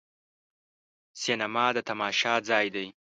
سینما د تماشا ځای دی.